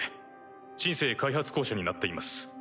「シン・セー開発公社」になっています。